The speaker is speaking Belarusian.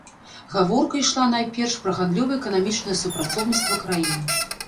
Гаворка ішла найперш пра гандлёва-эканамічнае супрацоўніцтва краін.